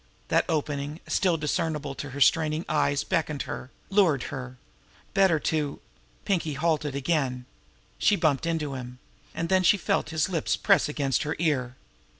That opening, still discernible to her straining eyes, beckoned her, lured her. Better to... Pinkie had halted again. She bumped into him. And then she felt his lips press against her ear.